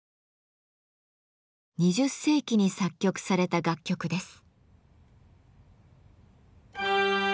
２０世紀に作曲された楽曲です。